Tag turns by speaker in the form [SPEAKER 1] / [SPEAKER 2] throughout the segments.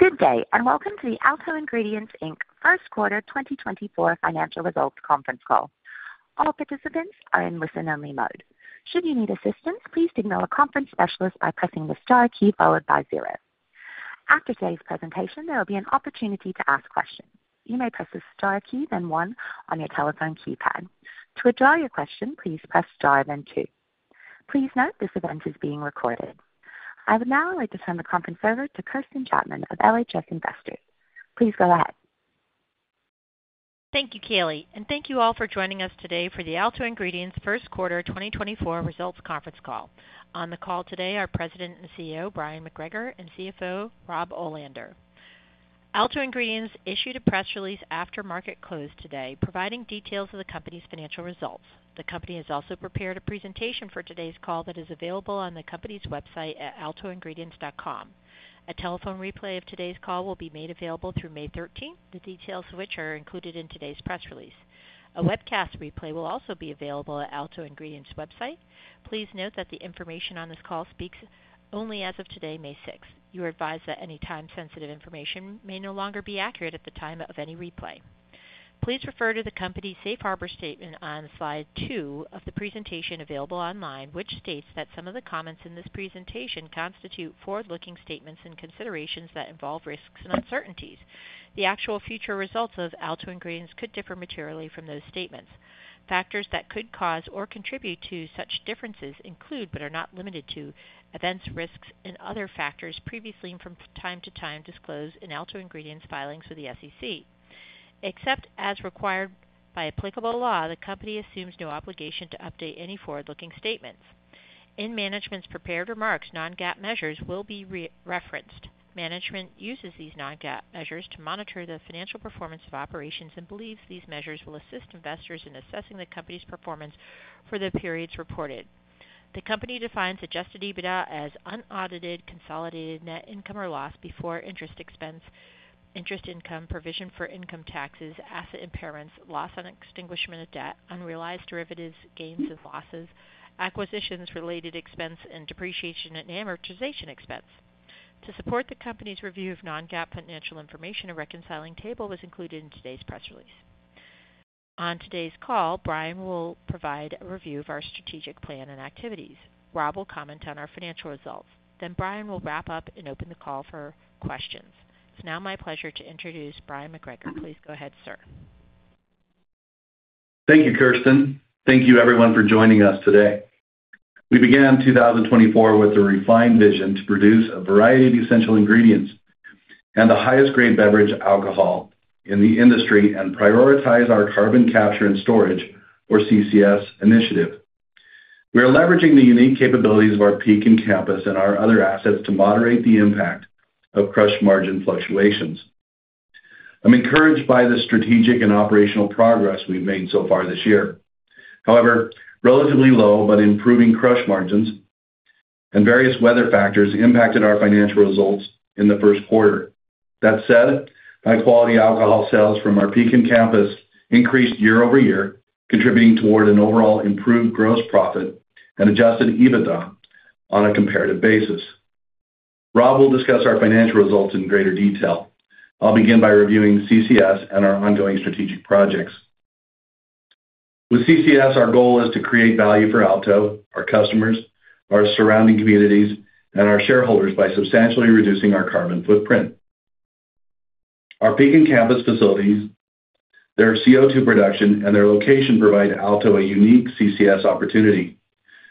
[SPEAKER 1] Good day and welcome to the Alto Ingredients, Inc first quarter 2024 financial results conference call. All participants are in listen-only mode. Should you need assistance, please signal a conference specialist by pressing the star key followed by zero. After today's presentation, there will be an opportunity to ask questions. You may press the star key, then one, on your telephone keypad. To address your question, please press star, then two. Please note this event is being recorded. I would now like to turn the conference over to Kirsten Chapman of LHA Investor Relations. Please go ahead.
[SPEAKER 2] Thank you, Kayleigh, and thank you all for joining us today for the Alto Ingredients first quarter 2024 results conference call. On the call today are President and CEO Bryon McGregor and CFO Rob Olander. Alto Ingredients issued a press release after market closed today providing details of the company's financial results. The company has also prepared a presentation for today's call that is available on the company's website at altoingredients.com. A telephone replay of today's call will be made available through May 13, the details of which are included in today's press release. A webcast replay will also be available at Alto Ingredients' website. Please note that the information on this call speaks only as of today, May 6. You are advised that any time-sensitive information may no longer be accurate at the time of any replay. Please refer to the company's safe harbor statement on slide two of the presentation available online, which states that some of the comments in this presentation constitute forward-looking statements and considerations that involve risks and uncertainties. The actual future results of Alto Ingredients could differ materially from those statements. Factors that could cause or contribute to such differences include, but are not limited to, events, risks, and other factors previously from time to time disclosed in Alto Ingredients filings with the SEC. Except as required by applicable law, the company assumes no obligation to update any forward-looking statements. In management's prepared remarks, non-GAAP measures will be re-referenced. Management uses these non-GAAP measures to monitor the financial performance of operations and believes these measures will assist investors in assessing the company's performance for the periods reported. The company defines adjusted EBITDA as unaudited consolidated net income or loss before interest expense, interest income, provision for income taxes, asset impairments, loss on extinguishment of debt, unrealized derivatives, gains and losses, acquisitions-related expense, and depreciation and amortization expense. To support the company's review of non-GAAP financial information, a reconciling table was included in today's press release. On today's call, Bryon will provide a review of our strategic plan and activities. Rob will comment on our financial results. Bryon will wrap up and open the call for questions. It's now my pleasure to introduce Bryon McGregor. Please go ahead, sir.
[SPEAKER 3] Thank you, Kirsten. Thank you, everyone, for joining us today. We began 2024 with a refined vision to produce a variety of essential ingredients and the highest-grade beverage alcohol in the industry and prioritize our carbon capture and storage, or CCS, initiative. We are leveraging the unique capabilities of our Pekin campus and our other assets to moderate the impact of crush margin fluctuations. I'm encouraged by the strategic and operational progress we've made so far this year. However, relatively low but improving crush margins and various weather factors impacted our financial results in the first quarter. That said, high-quality alcohol sales from our Pekin campus increased year-over-year, contributing toward an overall improved gross profit and adjusted EBITDA on a comparative basis. Rob will discuss our financial results in greater detail. I'll begin by reviewing CCS and our ongoing strategic projects. With CCS, our goal is to create value for Alto, our customers, our surrounding communities, and our shareholders by substantially reducing our carbon footprint. Our Pekin campus facilities, their CO2 production, and their location provide Alto a unique CCS opportunity.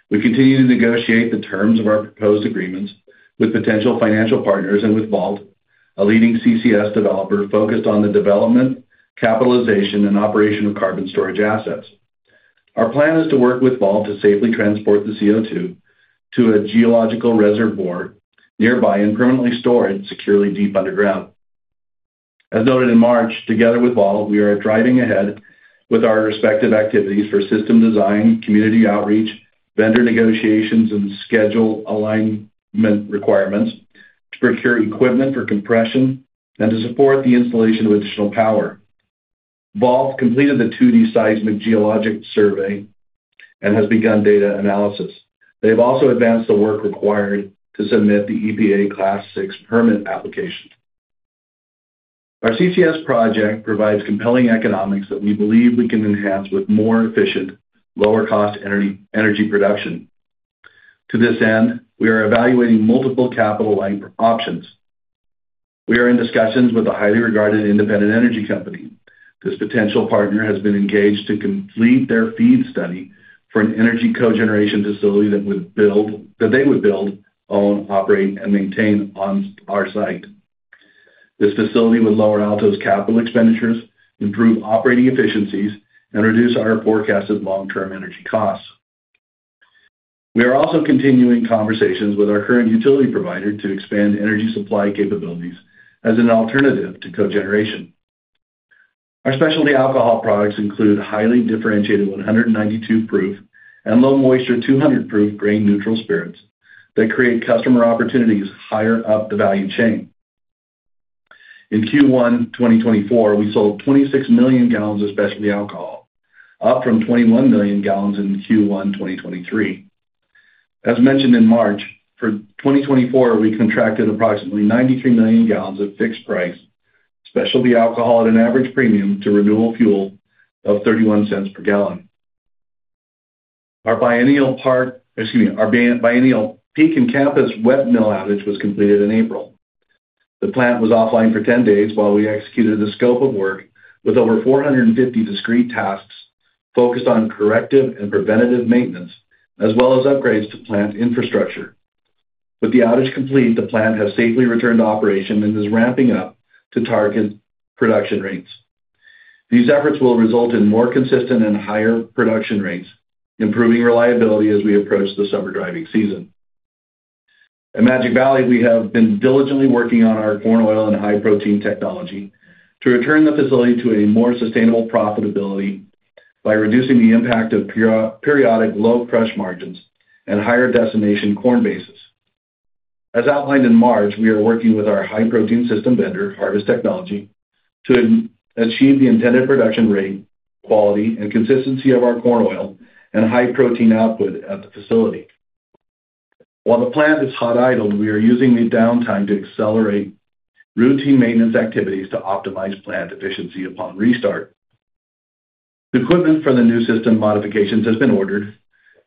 [SPEAKER 3] We continue to negotiate the terms of our proposed agreements with potential financial partners and with Vault, a leading CCS developer focused on the development, capitalization, and operation of carbon storage assets. Our plan is to work with Vault to safely transport the CO2 to a geological reservoir nearby and permanently stored securely deep underground. As noted in March, together with Vault, we are driving ahead with our respective activities for system design, community outreach, vendor negotiations, and schedule alignment requirements to procure equipment for compression and to support the installation of additional power. Vault completed the 2D seismic geologic survey and has begun data analysis. They have also advanced the work required to submit the EPA Class VI permit application. Our CCS project provides compelling economics that we believe we can enhance with more efficient, lower-cost energy production. To this end, we are evaluating multiple capital-light options. We are in discussions with a highly regarded independent energy company. This potential partner has been engaged to complete their FEED study for an energy cogeneration facility that they would build, own, operate, and maintain on our site. This facility would lower Alto's capital expenditures, improve operating efficiencies, and reduce our forecasted long-term energy costs. We are also continuing conversations with our current utility provider to expand energy supply capabilities as an alternative to cogeneration. Our specialty alcohol products include highly differentiated 192-proof and low-moisture 200-proof grain-neutral spirits that create customer opportunities higher up the value chain. In Q1 2024, we sold 26 million gallons of specialty alcohol, up from 21 million gallons in Q1 2023. As mentioned in March, for 2024, we contracted approximately 93 million gallons of fixed-price specialty alcohol at an average premium to renewable fuel of $0.31 per gallon. Our biennial Pekin campus wet mill outage was completed in April. The plant was offline for 10 days while we executed the scope of work with over 450 discrete tasks focused on corrective and preventative maintenance as well as upgrades to plant infrastructure. With the outage complete, the plant has safely returned to operation and is ramping up to target production rates. These efforts will result in more consistent and higher production rates, improving reliability as we approach the summer driving season. At Magic Valley, we have been diligently working on our corn oil and high-protein technology to return the facility to a more sustainable profitability by reducing the impact of periodic low crush margins and higher destination corn bases. As outlined in March, we are working with our high-protein system vendor, Harvest Technology, to achieve the intended production rate, quality, and consistency of our corn oil and high-protein output at the facility. While the plant is hot idled, we are using the downtime to accelerate routine maintenance activities to optimize plant efficiency upon restart. Equipment for the new system modifications has been ordered,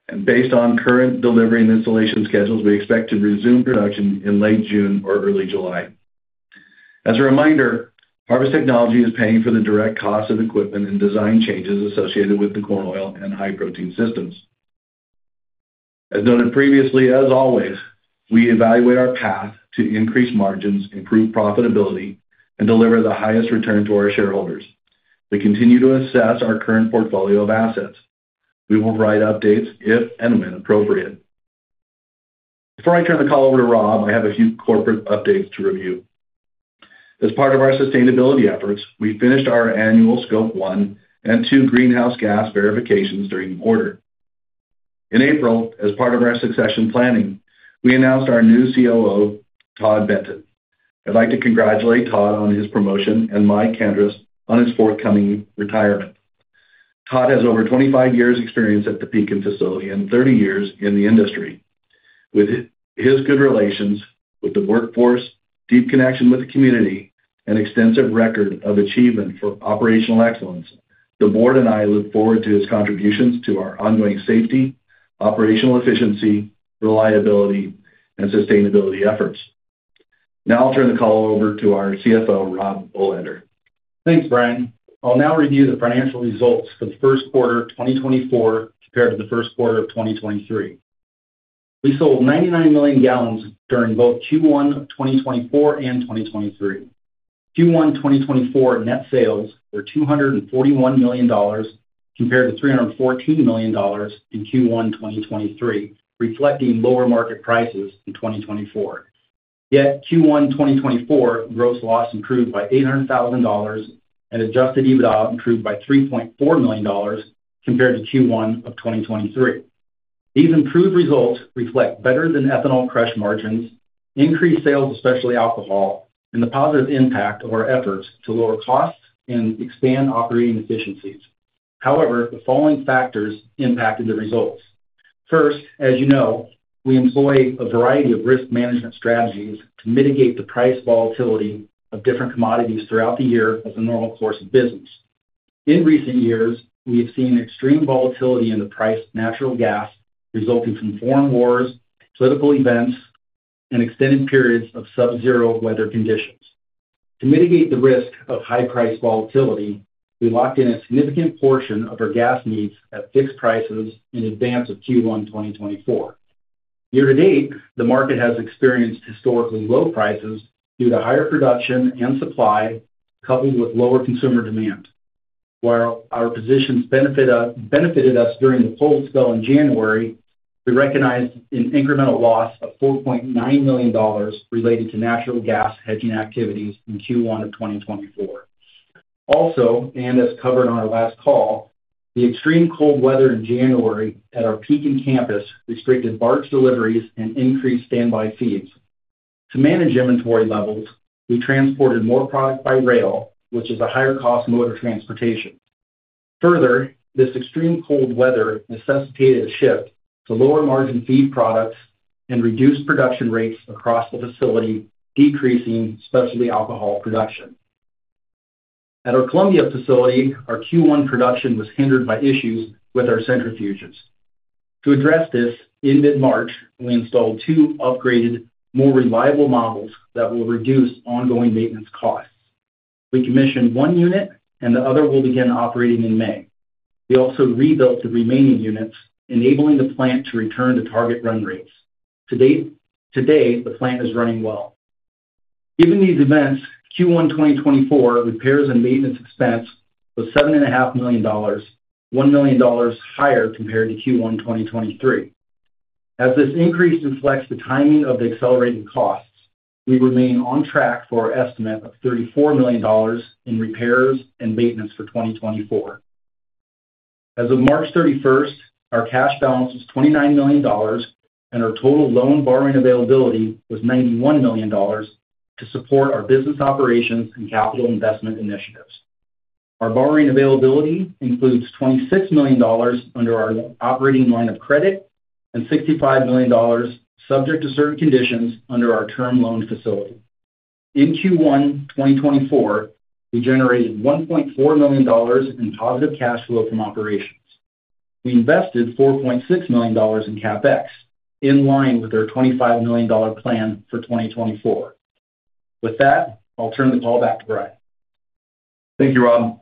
[SPEAKER 3] and based on current delivery and installation schedules, we expect to resume production in late June or early July. As a reminder, Harvest Technology is paying for the direct costs of equipment and design changes associated with the corn oil and high-protein systems. As noted previously, as always, we evaluate our path to increase margins, improve profitability, and deliver the highest return to our shareholders. We continue to assess our current portfolio of assets. We will write updates if and when appropriate. Before I turn the call over to Rob, I have a few corporate updates to review. As part of our sustainability efforts, we finished our annual Scope 1 and 2 greenhouse gas verifications during the quarter. In April, as part of our succession planning, we announced our new COO, Todd Benton. I'd like to congratulate Todd on his promotion and Mike Kandris on his forthcoming retirement. Todd has over 25 years' experience at the Pekin facility and 30 years in the industry. With his good relations with the workforce, deep connection with the community, and extensive record of achievement for operational excellence, the board and I look forward to his contributions to our ongoing safety, operational efficiency, reliability, and sustainability efforts. Now I'll turn the call over to our CFO, Rob Olander.
[SPEAKER 4] Thanks, Bryon. I'll now review the financial results for the first quarter 2024 compared to the first quarter of 2023. We sold 99 million gallons during both Q1 of 2024 and 2023. Q1 2024 net sales were $241 million compared to $314 million in Q1 2023, reflecting lower market prices in 2024. Yet Q1 2024 gross loss improved by $800,000 and adjusted EBITDA improved by $3.4 million compared to Q1 of 2023. These improved results reflect better-than-ethanol crush margins, increased sales of specialty alcohol, and the positive impact of our efforts to lower costs and expand operating efficiencies. However, the following factors impacted the results. First, as you know, we employ a variety of risk management strategies to mitigate the price volatility of different commodities throughout the year as a normal course of business. In recent years, we have seen extreme volatility in the price of natural gas, resulting from foreign wars, political events, and extended periods of subzero weather conditions. To mitigate the risk of high-price volatility, we locked in a significant portion of our gas needs at fixed prices in advance of Q1 2024. Year to date, the market has experienced historically low prices due to higher production and supply coupled with lower consumer demand. While our positions benefited us during the cold spell in January, we recognized an incremental loss of $4.9 million related to natural gas hedging activities in Q1 of 2024. Also, and as covered on our last call, the extreme cold weather in January at our Pekin campus restricted barge deliveries and increased standby feeds. To manage inventory levels, we transported more product by rail, which is a higher-cost mode of transportation. Further, this extreme cold weather necessitated a shift to lower-margin feed products and reduced production rates across the facility, decreasing specialty alcohol production. At our Columbia facility, our Q1 production was hindered by issues with our centrifuges. To address this, in mid-March, we installed two upgraded, more reliable models that will reduce ongoing maintenance costs. We commissioned one unit, and the other will begin operating in May. We also rebuilt the remaining units, enabling the plant to return to target run rates. Today, the plant is running well. Given these events, Q1 2024 repairs and maintenance expense was $7.5 million, $1 million higher compared to Q1 2023. As this increase reflects the timing of the accelerating costs, we remain on track for an estimate of $34 million in repairs and maintenance for 2024. As of March 31st, our cash balance was $29 million, and our total loan borrowing availability was $91 million to support our business operations and capital investment initiatives. Our borrowing availability includes $26 million under our operating line of credit and $65 million subject to certain conditions under our term loan facility. In Q1 2024, we generated $1.4 million in positive cash flow from operations. We invested $4.6 million in CapEx, in line with our $25 million plan for 2024. With that, I'll turn the call back to Bryon.
[SPEAKER 3] Thank you, Rob.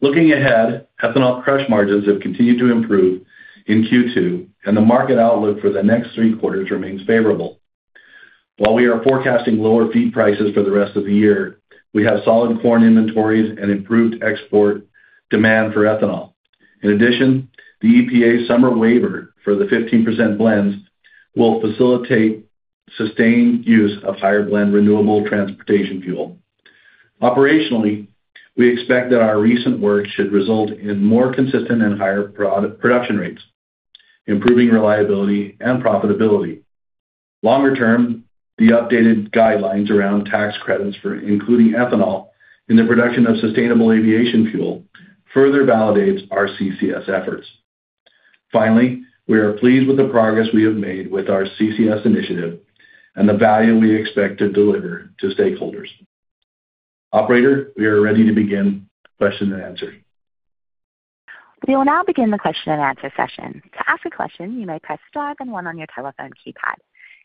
[SPEAKER 3] Looking ahead, ethanol crush margins have continued to improve in Q2, and the market outlook for the next three quarters remains favorable. While we are forecasting lower feed prices for the rest of the year, we have solid corn inventories and improved export demand for ethanol. In addition, the EPA summer waiver for the 15% blends will facilitate sustained use of higher-blend renewable transportation fuel. Operationally, we expect that our recent work should result in more consistent and higher production rates, improving reliability and profitability. Longer term, the updated guidelines around tax credits for including ethanol in the production of sustainable aviation fuel further validate our CCS efforts. Finally, we are pleased with the progress we have made with our CCS initiative and the value we expect to deliver to stakeholders. Operator, we are ready to begin question and answer.
[SPEAKER 1] We will now begin the question and answer session. To ask a question, you may press star then one on your telephone keypad.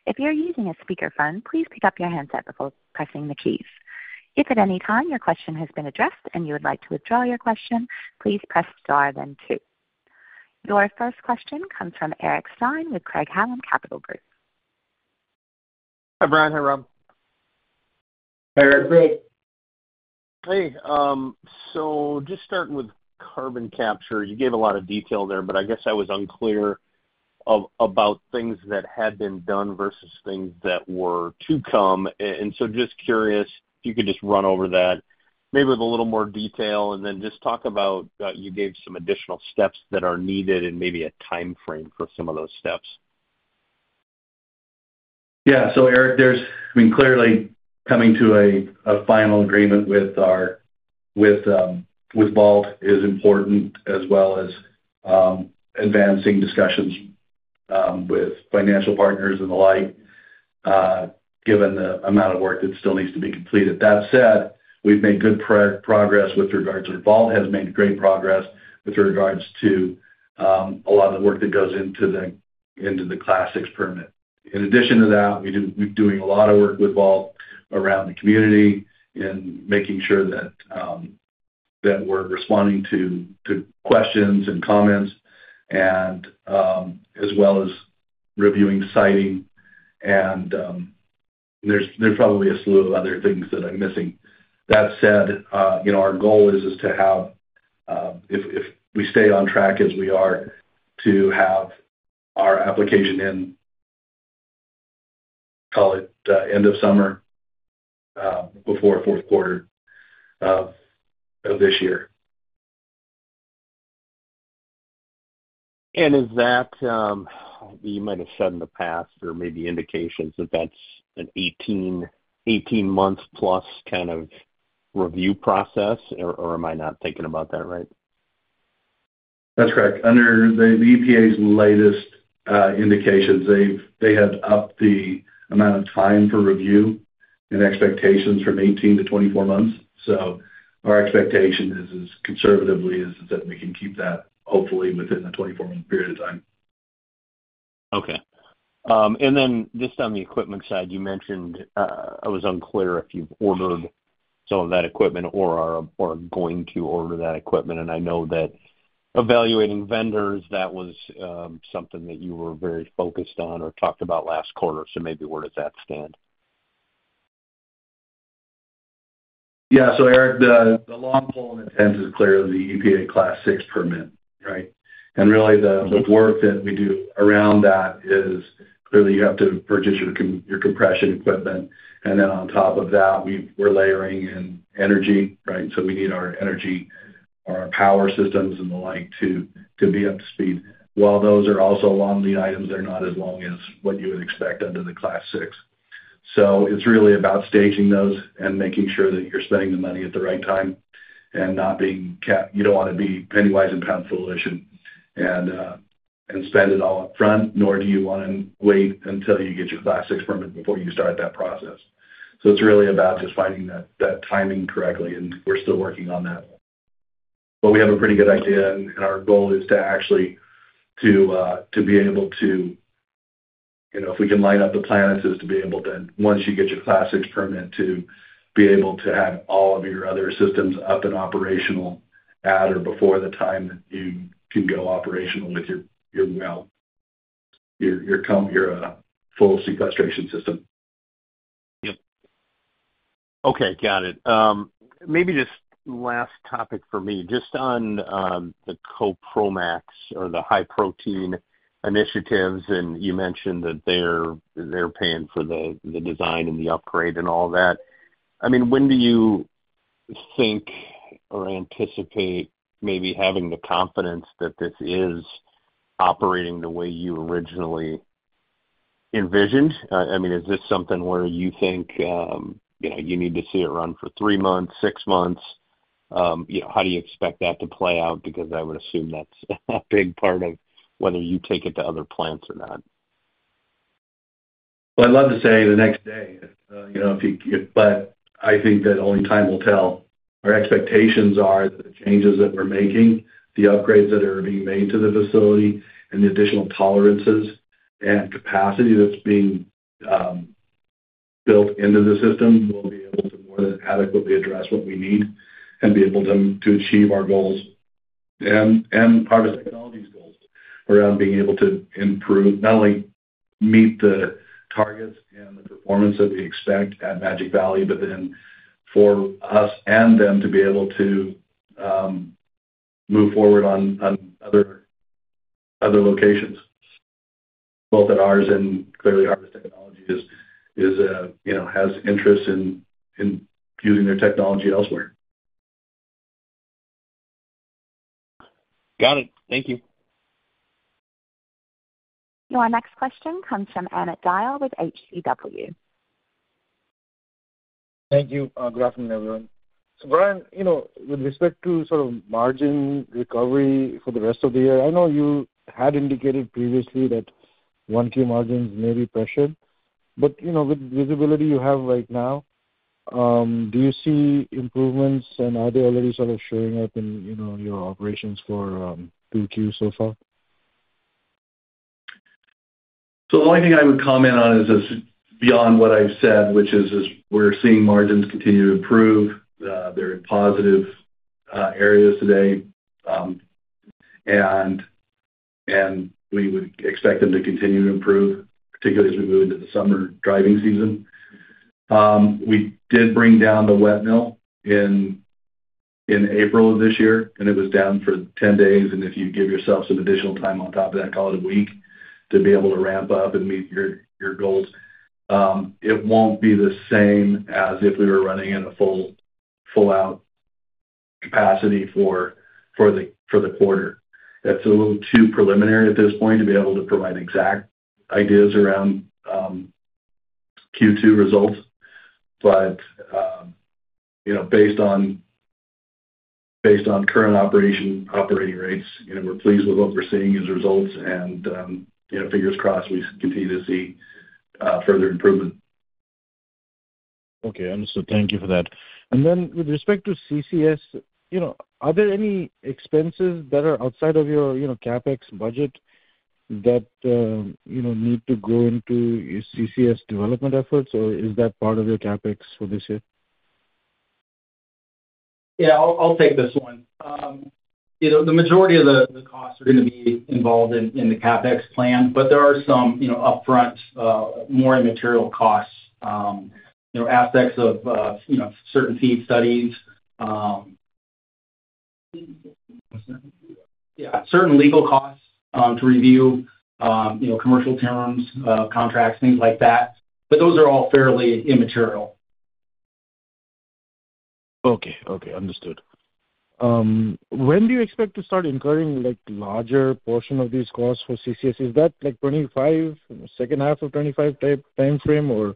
[SPEAKER 1] If you're using a speakerphone, please pick up your handset before pressing the keys. If at any time your question has been addressed and you would like to withdraw your question, please press star then two. Your first question comes from Eric Stine with Craig-Hallum Capital Group.
[SPEAKER 5] Hi, Bryon. Hi, Rob.
[SPEAKER 3] Hey, Eric.
[SPEAKER 5] Hey. So just starting with carbon capture, you gave a lot of detail there, but I guess I was unclear about things that had been done versus things that were to come. And so just curious if you could just run over that maybe with a little more detail and then just talk about you gave some additional steps that are needed and maybe a timeframe for some of those steps.
[SPEAKER 3] Yeah. So, Eric, I mean, clearly, coming to a final agreement with Vault is important as well as advancing discussions with financial partners and the like given the amount of work that still needs to be completed. That said, we've made good progress with regards to or Vault has made great progress with regards to a lot of the work that goes into the Class VI permit. In addition to that, we're doing a lot of work with Vault around the community and making sure that we're responding to questions and comments as well as reviewing siting. And there's probably a slew of other things that I'm missing. That said, our goal is to have if we stay on track as we are to have our application in, call it, end of summer before fourth quarter of this year.
[SPEAKER 5] Is that you might have said in the past or maybe indications that that's an 18+ month kind of review process, or am I not thinking about that right?
[SPEAKER 3] That's correct. Under the EPA's latest indications, they have upped the amount of time for review and expectations from 18-24 months. So our expectation is, as conservative as it is, we can keep that, hopefully, within a 24-month period of time.
[SPEAKER 5] Okay. And then just on the equipment side, you mentioned I was unclear if you've ordered some of that equipment or are going to order that equipment. And I know that evaluating vendors, that was something that you were very focused on or talked about last quarter. So maybe where does that stand?
[SPEAKER 3] Yeah. So, Eric, the long pole in the tent is clearly the EPA Class VI permit, right? And really, the work that we do around that is clearly, you have to purchase your compression equipment. And then on top of that, we're layering in energy, right? So we need our power systems and the like to be up to speed. While those are also long lead items, they're not as long as what you would expect under the Class VI. So it's really about staging those and making sure that you're spending the money at the right time and not being you don't want to be pennywise and pound foolish and spend it all upfront, nor do you want to wait until you get your Class VI permit before you start that process. So it's really about just finding that timing correctly, and we're still working on that. But we have a pretty good idea, and our goal is to actually to be able to if we can line up the plan, it's just to be able to, once you get your Class VI permit, to be able to have all of your other systems up and operational at or before the time that you can go operational with your well, your full sequestration system.
[SPEAKER 5] Yep. Okay. Got it. Maybe just last topic for me, just on the CoProMax or the high-protein initiatives, and you mentioned that they're paying for the design and the upgrade and all that. I mean, when do you think or anticipate maybe having the confidence that this is operating the way you originally envisioned? I mean, is this something where you think you need to see it run for three months, six months? How do you expect that to play out? Because I would assume that's a big part of whether you take it to other plants or not.
[SPEAKER 3] Well, I'd love to say the next day, but I think that only time will tell. Our expectations are the changes that we're making, the upgrades that are being made to the facility, and the additional tolerances and capacity that's being built into the system will be able to more than adequately address what we need and be able to achieve our goals and Harvest Technology's goals around being able to improve not only meet the targets and the performance that we expect at Magic Valley, but then for us and them to be able to move forward on other locations, both at ours and clearly, Harvest Technology has interest in using their technology elsewhere.
[SPEAKER 5] Got it. Thank you.
[SPEAKER 1] Now, our next question comes from Amit Dayal with HCW.
[SPEAKER 6] Thank you. Good afternoon, everyone. So, Bryon, with respect to sort of margin recovery for the rest of the year, I know you had indicated previously that 1Q margins may be pressured. But with the visibility you have right now, do you see improvements, and are they already sort of showing up in your operations for 2Q so far?
[SPEAKER 3] The only thing I would comment on is beyond what I've said, which is we're seeing margins continue to improve. They're in positive areas today, and we would expect them to continue to improve, particularly as we move into the summer driving season. We did bring down the wet mill in April of this year, and it was down for 10 days. And if you give yourself some additional time on top of that, call it a week, to be able to ramp up and meet your goals, it won't be the same as if we were running at a full-out capacity for the quarter. It's a little too preliminary at this point to be able to provide exact ideas around Q2 results. But based on current operating rates, we're pleased with what we're seeing as results. And fingers crossed, we continue to see further improvement.
[SPEAKER 6] Okay. Understood. Thank you for that. And then with respect to CCS, are there any expenses that are outside of your CapEx budget that need to go into CCS development efforts, or is that part of your CapEx for this year?
[SPEAKER 3] Yeah. I'll take this one. The majority of the costs are going to be involved in the CapEx plan, but there are some upfront, more immaterial costs, aspects of certain feed studies, yeah, certain legal costs to review, commercial terms, contracts, things like that. But those are all fairly immaterial.
[SPEAKER 6] Okay. Okay. Understood. When do you expect to start incurring larger portion of these costs for CCS? Is that second half of 2025 timeframe, or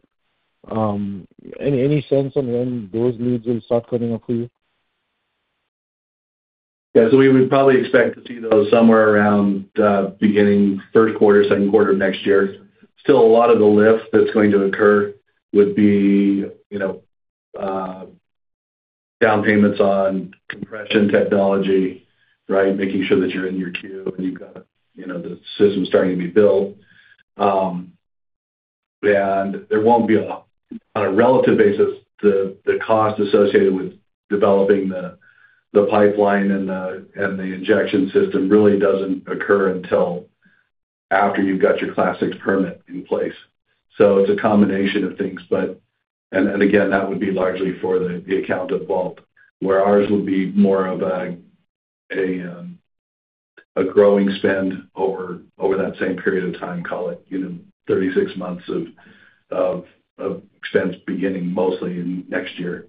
[SPEAKER 6] any sense on when those leads will start coming up for you?
[SPEAKER 3] Yeah. So we would probably expect to see those somewhere around beginning first quarter, second quarter of next year. Still, a lot of the lift that's going to occur would be down payments on compression technology, right, making sure that you're in your queue and you've got the system starting to be built. And there won't be, on a relative basis, the cost associated with developing the pipeline and the injection system really doesn't occur until after you've got your Class VI permit in place. So it's a combination of things. And again, that would be largely for the account of Vault, where ours would be more of a growing spend over that same period of time, call it 36 months of expense beginning mostly next year.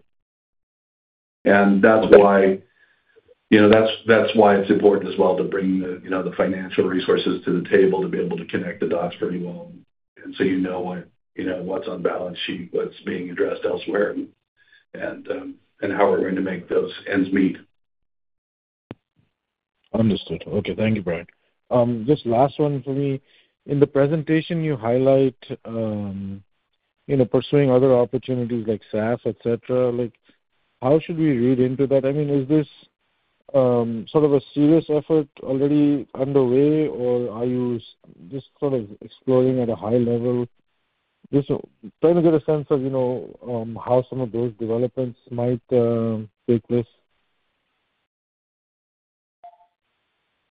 [SPEAKER 3] That's why it's important as well to bring the financial resources to the table to be able to connect the dots pretty well and so you know what's on balance sheet, what's being addressed elsewhere, and how we're going to make those ends meet.
[SPEAKER 6] Understood. Okay. Thank you, Bryon. Just last one for me. In the presentation, you highlight pursuing other opportunities like SAF, etc. How should we read into that? I mean, is this sort of a serious effort already underway, or are you just sort of exploring at a high level? Just trying to get a sense of how some of those developments might take place.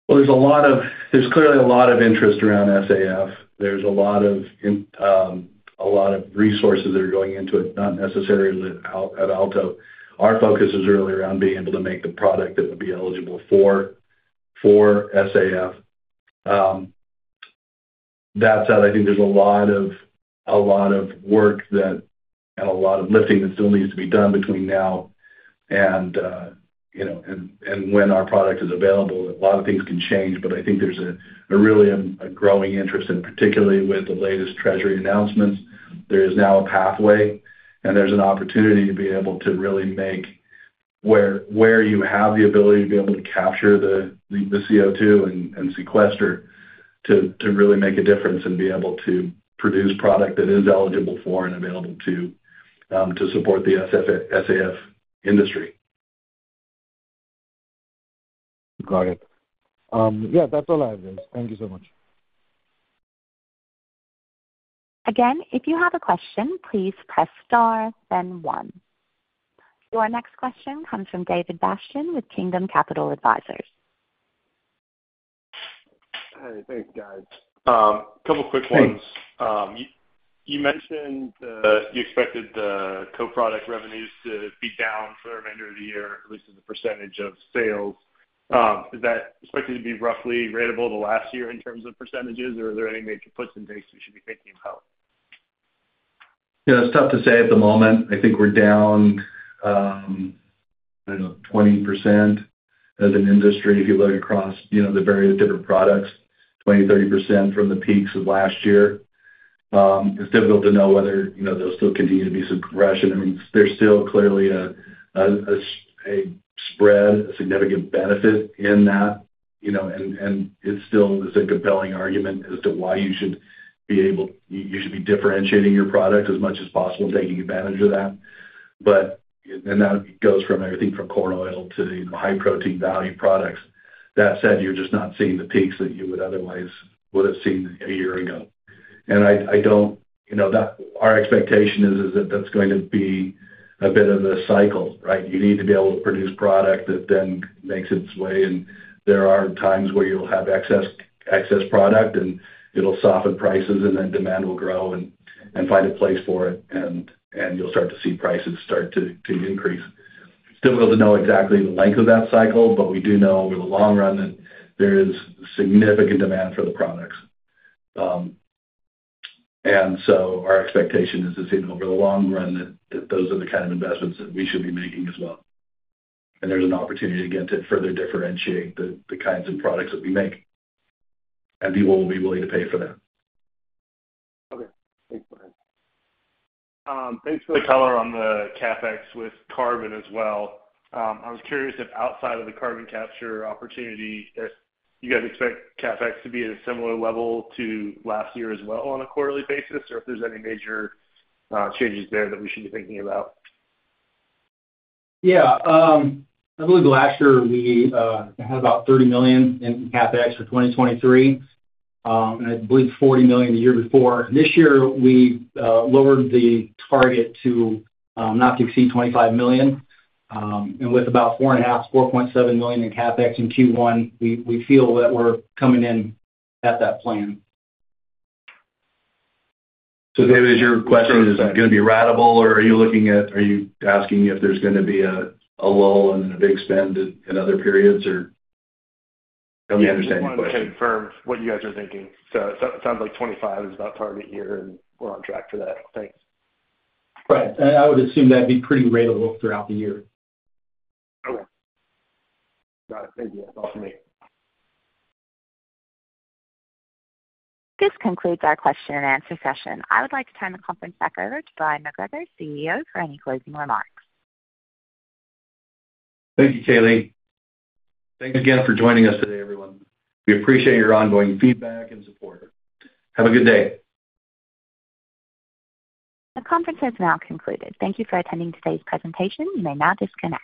[SPEAKER 3] Well, there's clearly a lot of interest around SAF. There's a lot of resources that are going into it, not necessarily at Alto. Our focus is really around being able to make the product that would be eligible for SAF. That said, I think there's a lot of work and a lot of lifting that still needs to be done between now and when our product is available. A lot of things can change, but I think there's really a growing interest, and particularly with the latest Treasury announcements, there is now a pathway, and there's an opportunity to be able to really make where you have the ability to be able to capture the CO2 and sequester to really make a difference and be able to produce product that is eligible for and available to support the SAF industry.
[SPEAKER 6] Got it. Yeah. That's all I have, guys. Thank you so much.
[SPEAKER 1] Again, if you have a question, please press star, then one. Your next question comes from David Bastian with Kingdom Capital Advisors.
[SPEAKER 7] Hey. Thanks, guys. A couple of quick ones. You mentioned you expected the co-product revenues to be down for the remainder of the year, at least as a percentage of sales. Is that expected to be roughly ratable the last year in terms of percentages, or are there any major puts and takes we should be thinking about?
[SPEAKER 3] Yeah. It's tough to say at the moment. I think we're down, I don't know, 20% as an industry if you look across the various different products, 20%-30% from the peaks of last year. It's difficult to know whether there'll still continue to be some compression. I mean, there's still clearly a spread, a significant benefit in that, and it still is a compelling argument as to why you should be differentiating your product as much as possible and taking advantage of that. And that goes from everything from corn oil to high-protein value products. That said, you're just not seeing the peaks that you would otherwise would have seen a year ago. And our expectation is that that's going to be a bit of a cycle, right? You need to be able to produce product that then makes its way. There are times where you'll have excess product, and it'll soften prices, and then demand will grow and find a place for it, and you'll start to see prices start to increase. It's difficult to know exactly the length of that cycle, but we do know over the long run that there is significant demand for the products. So our expectation is to see over the long run that those are the kind of investments that we should be making as well. There's an opportunity, again, to further differentiate the kinds of products that we make, and people will be willing to pay for that.
[SPEAKER 7] Okay. Thanks. Go ahead. Thanks for the color on the CapEx with carbon as well. I was curious if outside of the carbon capture opportunity, you guys expect CapEx to be at a similar level to last year as well on a quarterly basis, or if there's any major changes there that we should be thinking about.
[SPEAKER 4] Yeah. I believe last year, we had about $30 million in CapEx for 2023, and I believe $40 million the year before. This year, we lowered the target to not exceed $25 million. And with about $4.5 million-$4.7 million in CapEx in Q1, we feel that we're coming in at that plan.
[SPEAKER 3] So, David, is your question going to be ratable, or are you asking if there's going to be a lull and then a big spend in other periods, or? Help me understand your question.
[SPEAKER 7] I just want to confirm what you guys are thinking. So, it sounds like 2025 is about target year, and we're on track for that. Thanks.
[SPEAKER 4] Right. And I would assume that'd be pretty ratable throughout the year.
[SPEAKER 7] Okay. Got it. Thank you. That's all from me.
[SPEAKER 1] This concludes our question-and-answer session. I would like to turn the conference back over to Bryon McGregor, CEO, for any closing remarks.
[SPEAKER 3] Thank you, Kayleigh. Thanks again for joining us today, everyone. We appreciate your ongoing feedback and support. Have a good day.
[SPEAKER 1] The conference has now concluded. Thank you for attending today's presentation. You may now disconnect.